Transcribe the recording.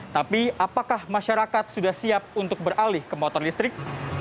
tapi apakah masyarakat sudah siap untuk beralih ke motor listrik